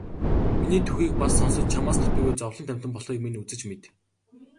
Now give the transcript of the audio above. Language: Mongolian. Миний түүхийг бас сонсож чамаас дутуугүй зовлонт амьтан болохыг минь үзэж мэд.